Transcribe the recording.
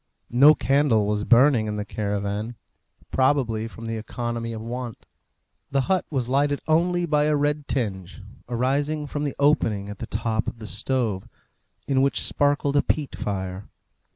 No candle was burning in the caravan, probably from the economy of want. The hut was lighted only by a red tinge, arising from the opening at the top of the stove, in which sparkled a peat fire.